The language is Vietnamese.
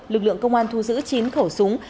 lực lượng công an thu giữ chín khẩu súng